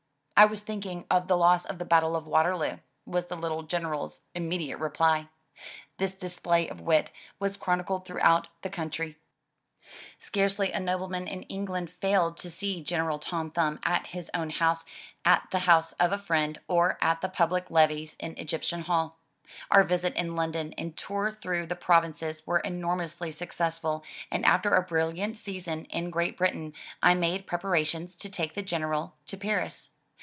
"I was thinking of the loss of the Battle of Waterloo," was the little General's imme diate reply. This display of wit was chronicled throughout the country. 171 M Y BOOK HOUSE Scarcely a nobleman in England failed to see General Tom Thimib at his own house, at the house of a friend, or at the public levees in Egyptian Hall. Our visit in London and tour through the provinces were enormously success ful, and after a brilliant season in Great Britain, I made preparations to take the General to Paris.